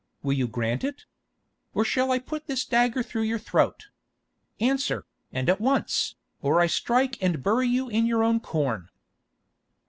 Will you grant it? Or shall I put this dagger through your throat? Answer, and at once, or I strike and bury you in your own corn."